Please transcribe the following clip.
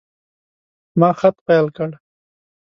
ما خط پیل کړ.